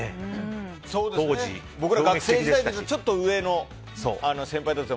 僕ら学生時代で、ちょっと上の先輩たち